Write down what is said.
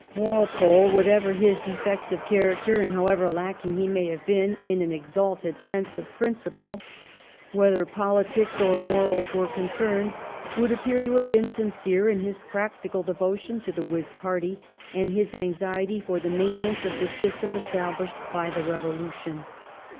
Walpole, whatever his defects of character and however lacking he may have been in an exalted sense of principle, whether politics or morals were concerned, would appear to have been sincere in his practical devotion to the Whig Party and his anxiety for the maintenance of the system established by the Ee volution.